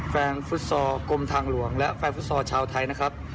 ฟุตซอลกรมทางหลวงและแฟนฟุตซอลชาวไทยนะครับ